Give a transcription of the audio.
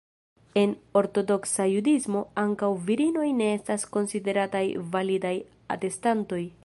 En Ortodoksa Judismo, ankaŭ virinoj ne estas konsiderataj validaj atestantoj.